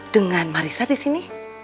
dengan marissa di sini